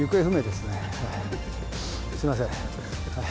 すみません。